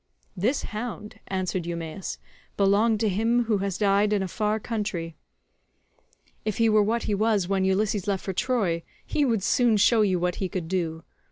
"This hound," answered Eumaeus, "belonged to him who has died in a far country. If he were what he was when Ulysses left for Troy, he would soon show you what he could do.